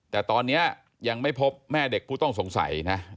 แต่ตอนนี้ยังไม่พบแม่เด็กผู้ต้องสงสัยนะ